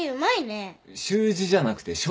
習字じゃなくて書道な。